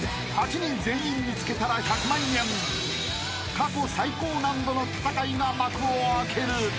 ［過去最高難度の戦いが幕を開ける］